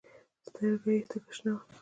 سترګه يې تکه شنه وه.